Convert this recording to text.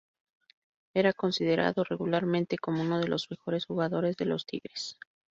Era considerado regularmente como uno de los mejores jugadores de los Tigres.